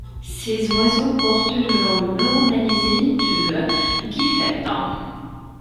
Ses oiseaux portent le nom normalisé de guifette.